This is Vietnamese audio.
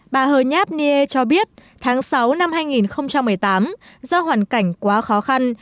bà hờ nhát nie cho biết tháng sáu năm hai nghìn một mươi tám do hoàn cảnh quá khó khăn